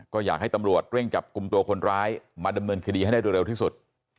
ก็อยากให้ตำรวจเร่งจับกลุ่มตัวคนร้ายมาดำเนินคดีให้ได้โดยเร็วที่สุด